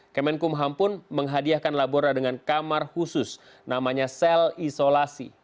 kemenkumham pun menghadiahkan labora dengan kamar khusus namanya sel isolasi